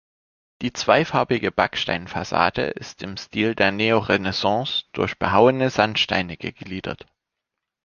Die zweifarbige Backsteinfassade ist im Stil der Neorenaissance durch behauene Sandsteine gegliedert.